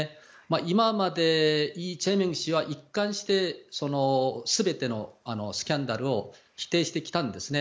今までイ・ジェミョン氏は一貫して全てのスキャンダルを否定してきたんですね。